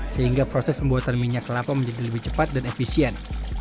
sehingga proses pembuatan minyak kelapa menjadi lebih cepat dan efisien